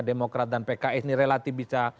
demokrat dan pks ini relatif bisa